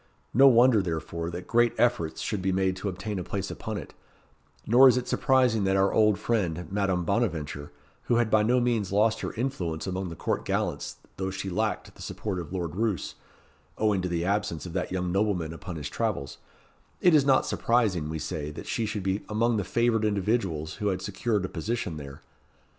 No wonder, therefore, that great efforts should be made to obtain a place upon it, nor is it surprising that our old friend, Madame Bonaventure, who had by no means lost her influence among the court gallants, though she lacked, the support of Lord Roos, owing to the absence of that young nobleman upon his travels, it is not surprising, we say, that she should be among the favoured individuals who had secured a position there.